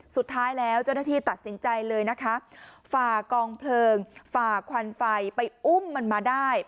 สุดท้ายแล้วเจ้าหน้าที่ตัดสินใจเลยนะคะฝ่ากองเพลิงฝ่าควันไฟไปอุ้มมันมาได้